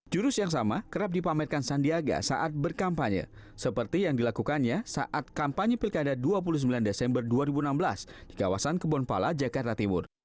jurus yang sama kerap dipamerkan sandiaga saat berkampanye seperti yang dilakukannya saat kampanye pilkada dua puluh sembilan desember dua ribu enam belas di kawasan kebonpala jakarta timur